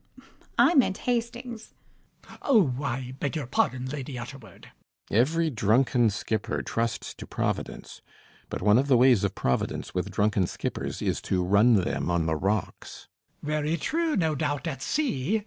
I meant Hastings. MAZZINI. Oh, I beg your pardon, Lady Utterword. CAPTAIN SHOTOVER. Every drunken skipper trusts to Providence. But one of the ways of Providence with drunken skippers is to run them on the rocks. MAZZINI. Very true, no doubt, at sea.